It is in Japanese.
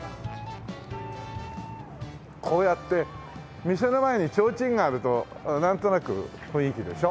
こうやって店の前にちょうちんがあるとなんとなく雰囲気でしょ。